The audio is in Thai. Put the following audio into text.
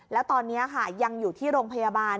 แล้วตอนนี้ค่ะยังอยู่ที่โรงพยาบาล